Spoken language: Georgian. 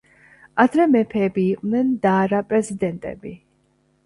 ადრე მეეფები იყვნენ და არა პრეზიდენტები